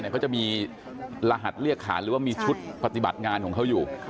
เขาจะมีรหัสเรียกขานหรือว่ามีชุดปฏิบัติงานของเขาอยู่